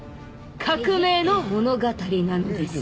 革命の物語なのです。